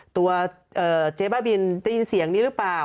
ตัวเจ๊บ้าบินได้ยินเสียงนี้หรือเปล่า